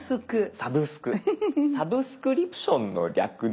「サブスクリプション」の略ですよね。